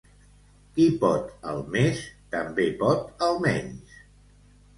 Qui pot el més, també pot el menys.